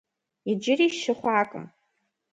Иджыри щы хъуакъым.